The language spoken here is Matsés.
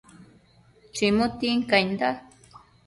chimu tincainda